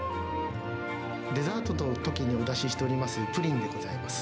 デザートのときにお出ししているプリンでございます。